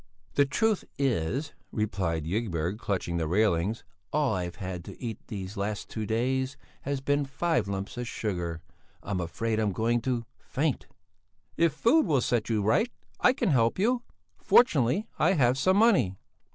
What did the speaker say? "The truth is," replied Ygberg, clutching the railings, "all I've had to eat these last two days has been five lumps of sugar. I'm afraid I'm going to faint." "If food will set you right, I can help you; fortunately I have some money."